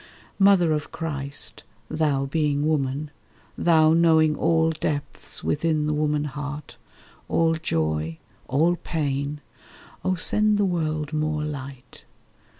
Mother of Christ, thou being woman, thou Knowing all depths within the woman heart, All joy, all pain, oh send the world more light.